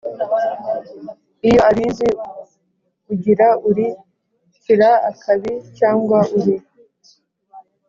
lyo abizi ugira uri « kira akabi» cyangwa uri